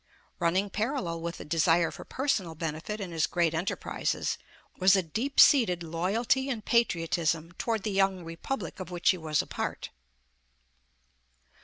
Running parallel with the desire for per sonal benefit in his great enterprises, was a deep seated loyalty and patriotism toward the young Republic of which he was a part.